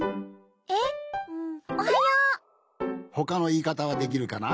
えっうんほかのいいかたはできるかな？